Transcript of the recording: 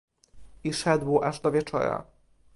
"I szedł aż do wieczora."